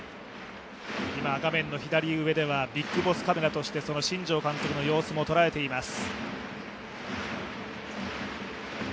画面の左上ではＢＩＧＢＯＳＳカメラとして新庄監督の様子も捉えています。